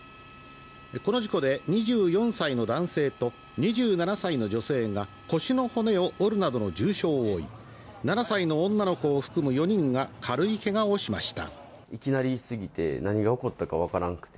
この事故で２４歳の男性と２７歳の女性が腰の骨を折るなどの重症を負い７歳の女の子を含む４人が軽いけがをしました。